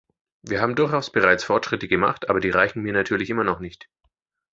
Wir haben durchaus bereits Fortschritte gemacht, aber die reichen mir natürlich immer noch nicht.